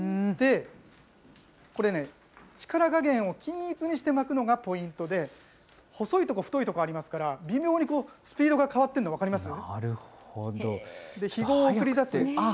これね、力加減を均一にして巻くのがポイントで、細い所、太い所ありますから、微妙にこう、スピードが変わってるの分かりますか。